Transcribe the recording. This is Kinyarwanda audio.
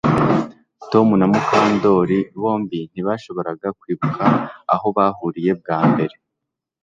Tom na Mukandoli bombi ntibashoboraga kwibuka aho bahuriye bwa mbere